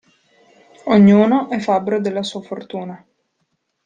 Ognuno è fabbro della sua fortuna.